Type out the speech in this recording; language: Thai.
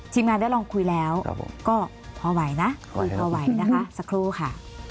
งานได้ลองคุยแล้วก็พอไหวนะพอไหวนะคะสักครู่ค่ะ